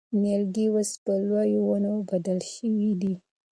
نیالګي اوس په لویو ونو بدل شوي دي.